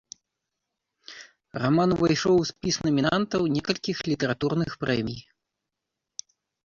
Раман увайшоў у спіс намінантаў некалькіх літаратурных прэмій.